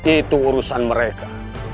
itu urusan mereka